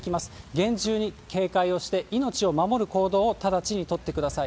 厳重に警戒をして、命を守る行動を直ちに取ってください。